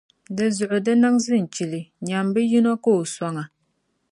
Dinzuɣu di niŋ zinchili. Nyam bɛ yino ka o sɔŋ a.